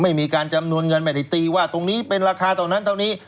ไม่มีการจำนวนเงินไม่ได้ตีว่าตรงนี้เป็นราคาเท่านั้นเท่านี้